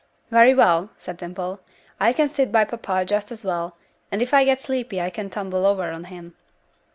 "Very well," said Dimple. "I can sit by papa just as well, and if I get sleepy I can tumble over on him."